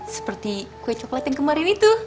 seperti kue coklat yang kemarin itu